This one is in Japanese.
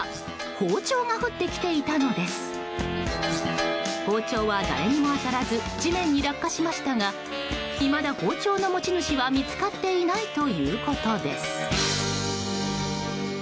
包丁は誰にも当たらず地面に落下しましたがいまだ包丁の持ち主は見つかっていないということです。